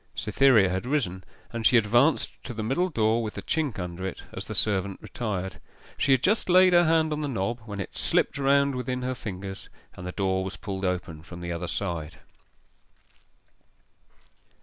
Cytherea had risen, and she advanced to the middle door with the chink under it as the servant retired. She had just laid her hand on the knob, when it slipped round within her fingers, and the door was pulled open from the other side.